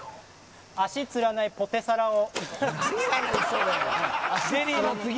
足つらないポテサラを。